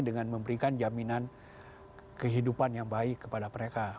dengan memberikan jaminan kehidupan yang baik kepada mereka